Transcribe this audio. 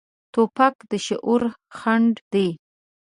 توپک د شعور خنډ دی.